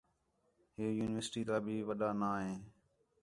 ہِے یونیورسٹی تا بھی وݙّا ناں ہِے